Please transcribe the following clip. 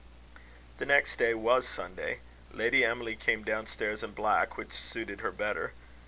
The next day was Sunday. Lady Emily came down stairs in black, which suited her better.